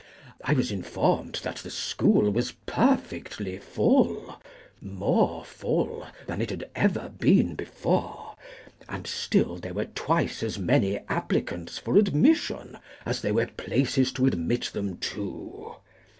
I was informed that that school was perfectly full—more full than it had ever been before—and still there were twice as many applicants for admission as there were places to admit them to.